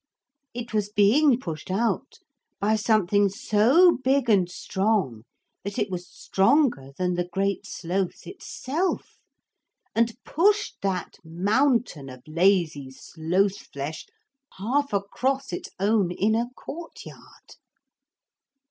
It was being pushed out by something so big and strong that it was stronger that the Great Sloth itself, and pushed that mountain of lazy sloth flesh half across its own inner courtyard.